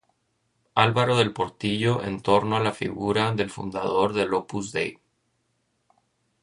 Álvaro del Portillo en torno a la figura del fundador del Opus Dei.